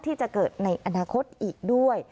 ที่จะเกิดในอนาคตอีกด้วย